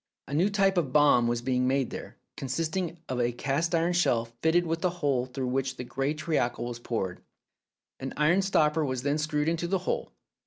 A new type of bomb was being made there, consisting of a cast iron shell fitted with a hole through which the grey treacle was poured; 308 Philip's Safety Razor an iron stopper was then screwed into the hole.